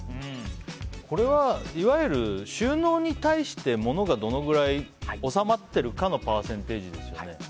これは、いわゆる収納に対して物がどのくらい収まっているかのパーセンテージですよね。